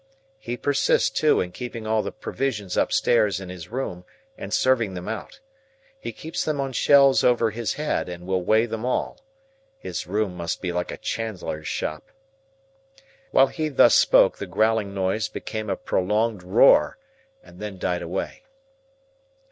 He persists, too, in keeping all the provisions upstairs in his room, and serving them out. He keeps them on shelves over his head, and will weigh them all. His room must be like a chandler's shop." While he thus spoke, the growling noise became a prolonged roar, and then died away.